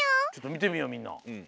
みてみようみんな。